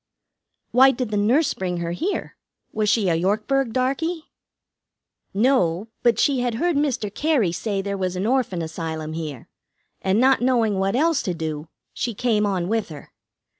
"Why did the nurse bring her here? Was she a Yorkburg darkey?" "No; but she had heard Mr. Cary say there was an Orphan Asylum here, and not knowing what else to do, she came on with her.